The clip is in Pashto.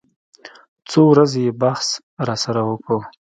څو ورځې يې بحث راسره وکو.